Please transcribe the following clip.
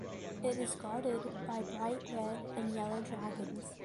It is guarded by bright red and yellow dragons.